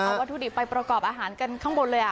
เอาวัตถุดิบไปประกอบอาหารกันข้างบนเลย